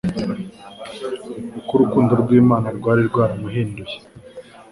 ariko urukundo rw'Imana rwari rwaramuhinduye.